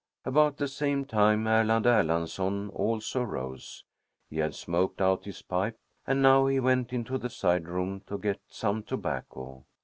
About the same time Erland Erlandsson also arose. He had smoked out his pipe, and now he went into the side room to get some tobacco.